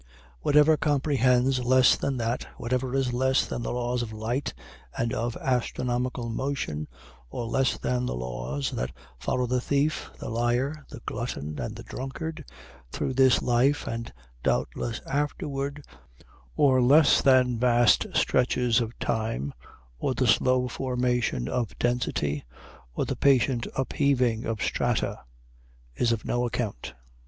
Whatever comprehends less than that whatever is less than the laws of light and of astronomical motion or less than the laws that follow the thief, the liar, the glutton and the drunkard, through this life and doubtless afterward or less than vast stretches of time, or the slow formation of density, or the patient upheaving of strata is of no account.